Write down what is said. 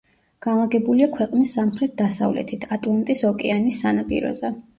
განლაგებულია ქვეყნის სამხრეთ-დასავლეთით, ატლანტის ოკეანის სანაპიროზე.